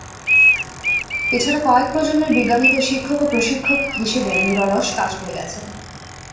এছাড়া কয়েক প্রজন্মের বিজ্ঞানীদের শিক্ষক ও প্রশিক্ষক হিসেবে নিরলস কাজ করে গেছেন।